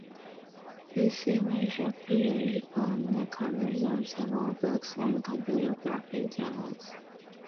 This image appeared on the covers of several books and computer graphic journals.